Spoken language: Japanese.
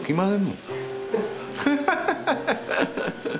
ハハハハッ！